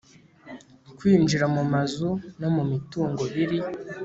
kwinjira mu mazu no mu mitungo biri